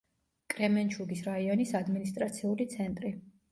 კრემენჩუგის რაიონის ადმინისტრაციული ცენტრი.